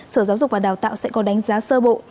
sở giáo dục và đào tạo sẽ có đánh giá sơ bộ